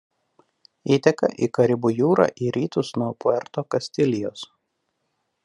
Įteka į Karibų jūrą į rytus nuo Puerto Kastilijos.